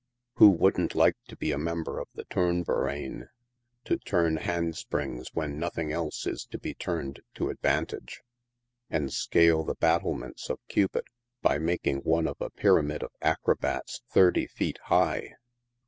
Who wouldn't like to be a member of the Turnverein, to turn hand springs when nothing else is to be turned to advantage, and scale the battlements of Cupid by making one of a pyramid of acrobats thirty feet high